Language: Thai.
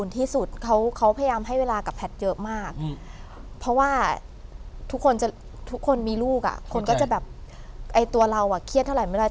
ทุกคนมีลูกตัวเราเครียดเท่าไหร่ไม่ได้